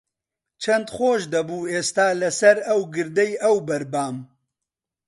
چەند خۆش دەبوو ئێستا لەسەر ئەو گردەی ئەوبەر بام.